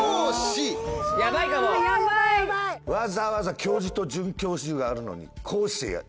わざわざ教授と准教授があるのに講師。